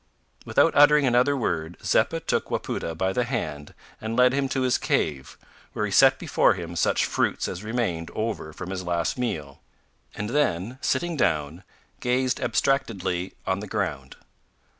Without uttering another word, Zeppa took Wapoota by the hand and led him to his cave, where he set before him such fruits as remained over from his last meal, and then, sitting down, gazed abstractedly on the ground.